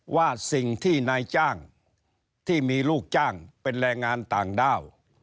ว่าสิ่งที่นายจ้างที่มีลูกจ้างเป็นแรงงานต่างด้าว